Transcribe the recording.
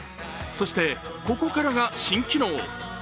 そして、ここからが新機能。